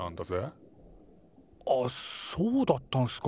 あっそうだったんすか。